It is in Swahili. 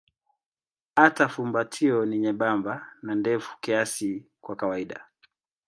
Hata fumbatio ni nyembamba na ndefu kiasi kwa kawaida.